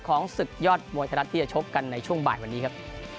ของศึกยอดมวยธรรัชที่จะชบกันในช่วงบางวันนี้ครับ